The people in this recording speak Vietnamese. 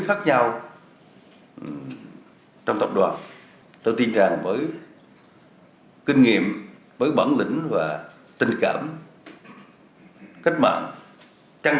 khác nhau trong tập đoàn tôi tin rằng với kinh nghiệm với bản lĩnh và tình cảm cách mạng căng